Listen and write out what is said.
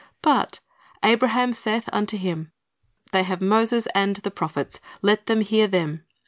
But "Abraham saith unto him. They have Moses and the prophets; let them hear them.